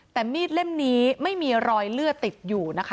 แต่มีดเล่มนี้ไม่มีรอยเลือดติดอยู่นะคะ